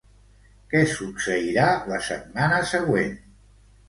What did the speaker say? Què succeirà la setmana següent?